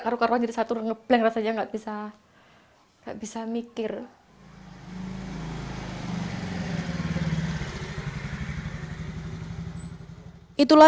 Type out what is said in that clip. bisa mikir itulah yang dirasakan oleh kedua orang tua muhammad reza alda putra mahasiswa kedokteran